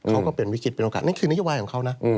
ก็เป็นวิกฤตเป็นโอกาสนั่นคือนโยบายของเขานะ